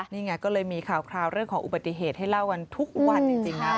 นี่ไงก็เลยมีข่าวเรื่องของอุบัติเหตุให้เล่ากันทุกวันจริงนะ